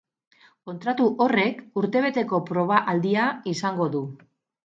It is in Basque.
Kontratu horrek urtebeteko proba-aldia izango du.